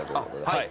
はい。